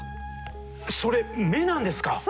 それ目なんですか？